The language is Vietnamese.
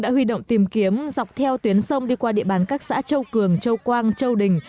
đã huy động tìm kiếm dọc theo tuyến sông đi qua địa bàn các xã châu cường châu quang châu đình